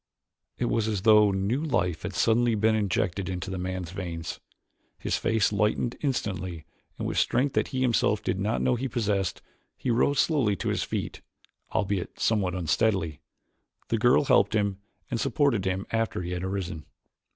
It was as though new life had suddenly been injected into the man's veins. His face lightened instantly and with strength that he himself did not know he possessed he rose slowly to his feet, albeit somewhat unsteadily. The girl helped him and supported him after he had arisen.